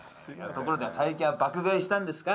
ところで最近は爆買いしたんですか？